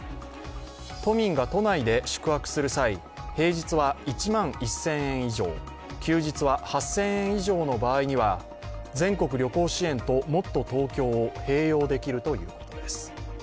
都民が都内で宿泊する際、平日は１万１０００円以上、休日は８０００円以上の場合には全国旅行支援ともっとＴｏｋｙｏを併用できるということです。